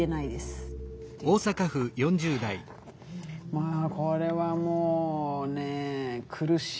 まあこれはもうね苦しいですね。